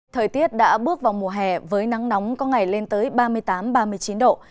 thời tiết đã bước vào mùa hè với nắng nóng có ngày lên tới ba mươi tám ba mươi chín độ